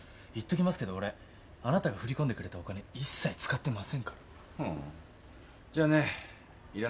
言っときますけど俺あなたが振り込んでくれたお金一切使ってませんから。